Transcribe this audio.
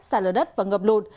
xảy ra đất và ngập lụt